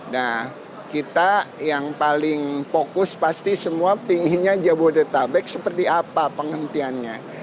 nah kita yang paling fokus pasti semua pinginnya jabodetabek seperti apa penghentiannya